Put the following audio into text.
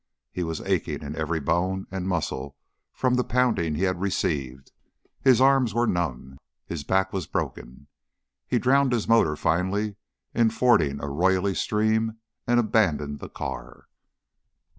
He was aching in every bone and muscle from the pounding he had received, his arms were numb, his back was broken. He drowned his motor finally in fording a roily stream and abandoned the car.